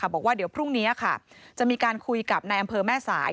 บอกว่าเดี๋ยวพรุ่งนี้จะมีการคุยกับนายอำเภอแม่สาย